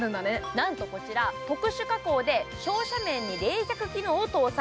なんとこちら、特殊加工で照射面に冷却機能を搭載。